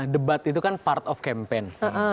debat itu kan part of campaign